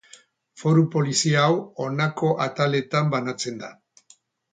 Foru polizia hau, honako ataletan banatzen da.